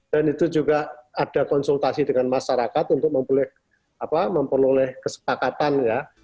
dan itu juga ada konsultasi dengan masyarakat untuk memperoleh kesepakatan